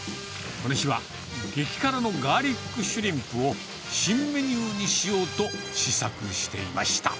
この日は激辛のガーリックシュリンプを、新メニューにしようと試作していました。